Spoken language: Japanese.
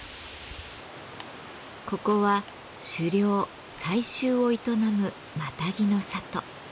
ここは狩猟・採集を営むマタギの里。